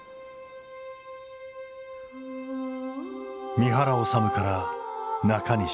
三原脩から中西太。